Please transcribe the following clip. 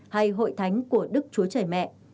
hay hội thánh của đức chúa trời mẹ